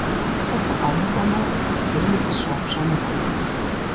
Сэ сыкъэмыкӀуэмэ, зэи укъысщӀэупщӀэнукъым.